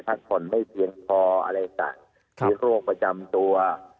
พัดผลไม่เทียนคออะไรสักมีโรคประจำตัว